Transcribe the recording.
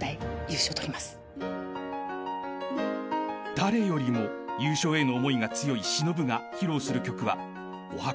［誰よりも優勝への思いが強いＳＨＩＮＯＢＵが披露する曲はおはこ］